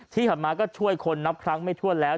ที่ผ่านมาก็ช่วยคนนับครั้งไม่ทั่วแล้ว